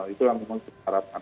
itu yang kita harapkan